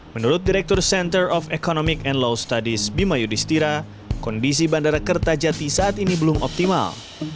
menurut direktur center of economic and law studies bima yudhistira kondisi bandara kertajati saat ini belum optimal